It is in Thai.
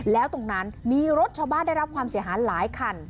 แล้วตรงนั้นมีรถชาวบ้านได้รับความเสียหายหลายคัน